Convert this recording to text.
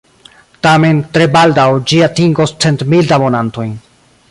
Tamen, tre baldaŭ, ĝi atingos centmil abonantojn.